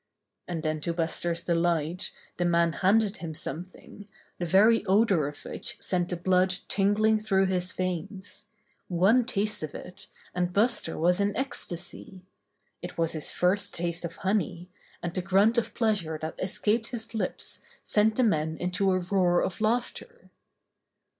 And then to Buster's delight, the man handed him something, the very odor of which sent the blood tingling through his veins. One taste of it, and Buster was in ecstasy. It was his first taste of honey, and the grunt of pleas ure that escaped his lips sent the men into a roar of laughter.